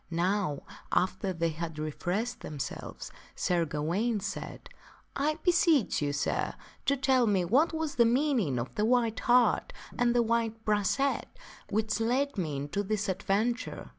Now, after they had refreshed themselves, Sir Gawaine said, " I beseech you, sir, to tell me what was the meaning of the white hart and the white brachet which led me into this adventure."